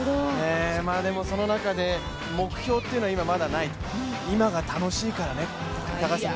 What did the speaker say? でも、その中で目標というのは、まだない、今が楽しいからねと、高橋さん